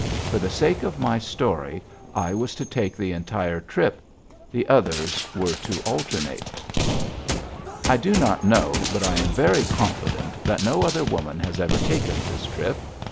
For the sake of my story, I was to take the entire trip; the others were to alternate. I do not know, but I am very confident that no other woman has ever taken this trip.